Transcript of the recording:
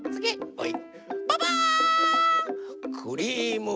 はい。